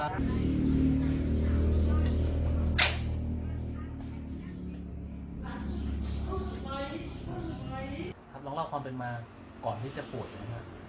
ครับลองเล่าความเป็นมาก่อนที่จะปวดนะฮะ